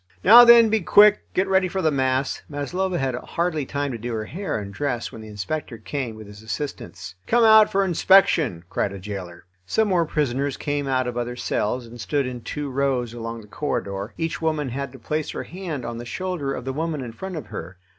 "Now, then, be quick; get ready for the mass." Maslova had hardly time to do her hair and dress when the inspector came with his assistants. "Come out for inspection," cried a jailer. Some more prisoners came out of other cells and stood in two rows along the corridor; each woman had to place her hand on the shoulder of the woman in front of her.